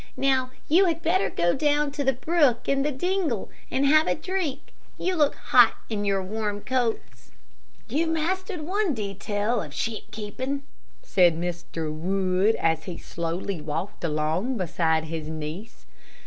Now, you had better go down to the brook in the dingle and have a drink. You look hot in your warm coats." "You've mastered one detail of sheep keeping," said Mr. Wood, as he slowly walked along beside his niece.